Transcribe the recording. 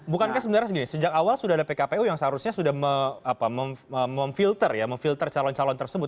bukankah sebenarnya segini sejak awal sudah ada pkpu yang seharusnya sudah memfilter ya memfilter calon calon tersebut